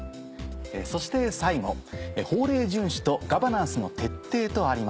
そして最後「法令遵守とガバナンスの徹底」とあります。